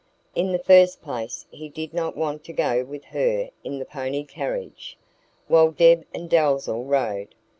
In the first place, he did not want to go with her in the pony carriage, while Deb and Dalzell rode.